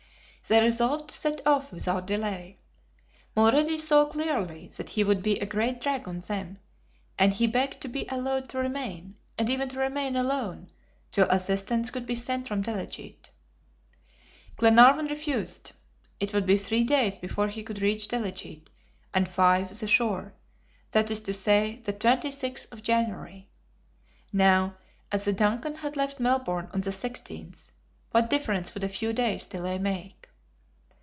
They resolved to set off without delay. Mulrady saw clearly that he would be a great drag on them, and he begged to be allowed to remain, and even to remain alone, till assistance could be sent from Delegete. Glenarvan refused. It would be three days before he could reach Delegete, and five the shore that is to say, the 26th of January. Now, as the DUNCAN had left Melbourne on the 16th, what difference would a few days' delay make?